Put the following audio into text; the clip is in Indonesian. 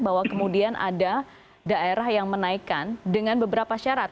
bahwa kemudian ada daerah yang menaikan dengan beberapa syarat